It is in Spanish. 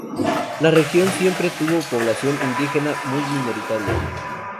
La región siempre tuvo población indígena muy minoritaria.